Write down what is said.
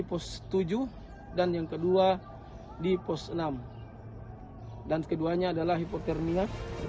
pos tujuh dan yang kedua di pos enam dan keduanya adalah hipotermia